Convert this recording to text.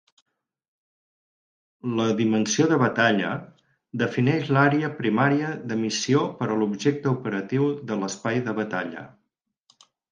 La "Dimensió de Batalla" defineix l'àrea primària de missió per a l'objecte operatiu de l'espai de batalla.